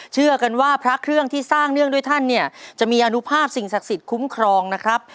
เชื่อกันว่าพระเครื่องที่สร้างเนื่องด้วยท่านเนี่ยจะมีอนุภาพสิ่งศักดิ์สิทธิ์คุ้มครองนะครับ